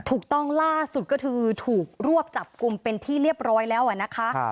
ถูกต้องล่าสุดก็คือถูกรวบจับกลุ่มเป็นที่เรียบร้อยแล้วนะคะ